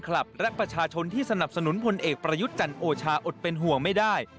และประชาชนที่สนับสนุนพลเอกประยุทธ์จันทร์โอชาอดเป็นห่วงไม่ได้